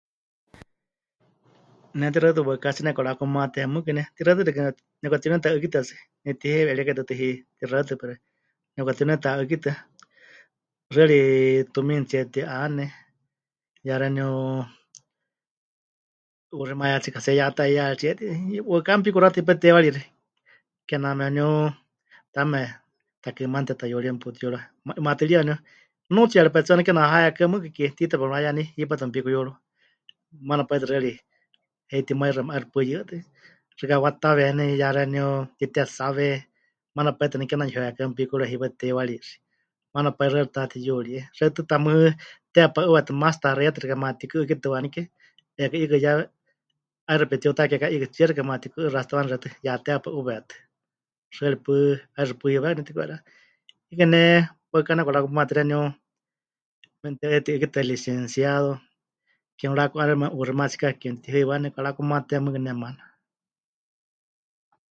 Ne tixaɨtɨ waɨká 'aatsí nepɨkarakumaté, mɨɨkɨ ne tixaɨtɨ nepɨka... nepɨkatiuneta'ɨ́kitɨa tsɨ, nepɨtiheiwe'erieka tɨtɨ tixaɨtɨ pero nepɨkatiuneta'ɨ́kitɨa. Xɨari tumiinitsie pɨti'ane, ya xeeníu 'uuximayátsikatsie, ya ta'iyaaritsie, waɨká mepikuxata hipátɨ teiwarixi, kename waníu taame takɨmaana tetayuríe mepikuyúruwa. 'Imaatɨrieka waníu, nunuutsiyari paɨ tsɨ kename waníu 'aheekɨ́a mɨɨkɨ, ke tiita pemɨrayaní hipátɨ mepikuyúruwa, maana paitɨ xɨari heitimaixɨame 'aixɨ pɨyɨwe tɨtɨ. Xɨka wataweeni ya xeeíu pɨtitetsawe, maana pai tɨ waníu kename yuheekɨ́a mepikuyúruwa hipátɨ teiwarixi, maana paɨ xɨari pɨtatiyuríe. Xewítɨ tamɨ́ teewa pai 'uweétɨ́ matsitaxeiyatɨ xɨka matikɨ'ɨ́kitɨwanike -'eekɨ 'iikɨ ya 'aixɨ pepɨtiutakeeká 'iikɨtsíe-, xɨka matikɨ'ɨxatsitɨwani xewítɨ, ya teewa pai 'uweétɨ, xɨari paɨ 'aixɨ pɨyɨwekaku netiku'eriwani. 'Iikɨ́ ne waɨká nepɨkarakumaté xeeníu memɨte'uyuti'ɨ́kitɨa licenciado, ke mɨraku'ane maana, 'uuximayátsikayari ke mɨtihɨiwá, nepɨkarakumaaté mɨɨkɨ ne maana.